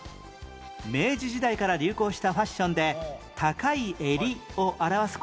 明治時代から流行したファッションで「高い襟」を表す言葉が付く